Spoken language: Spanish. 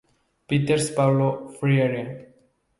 Peters Paulo Freire.